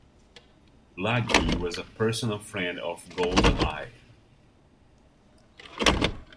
Laghi was a personal friend of Golda Meir.